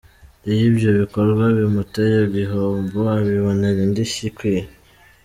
Iyo ibyo bikorwa bimuteye gihombo abibonera indishyi ikwiye.